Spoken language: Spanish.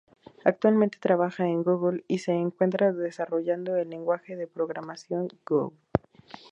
Actualmente trabaja en Google y se encuentra desarrollando el lenguaje de programación Go.